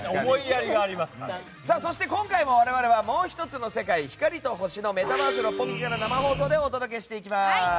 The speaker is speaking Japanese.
そして今回も我々はもう１つの世界光と星のメタバース六本木から生放送でお届けしていきます。